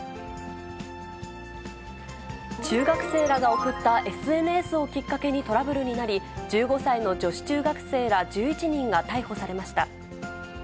中学生らが送ったＳＮＳをきっかけにトラブルになり、１５歳の女子中学生ら１１人が逮捕されました。